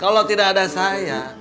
kalo tidak ada saya